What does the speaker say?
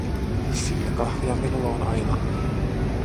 Sillä kahvia minulla on aina.